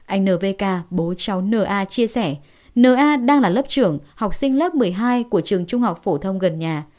anh nvk bố cháu na chia sẻ na đang là lớp trưởng học sinh lớp một mươi hai của trường trung học phổ thông gần nhà